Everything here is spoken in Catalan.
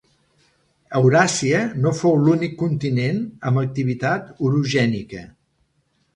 Euràsia no fou l'únic continent amb activitat orogènica.